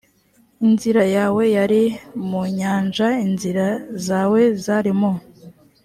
inzira yawe yari mu nyanja inzira zawe zari mu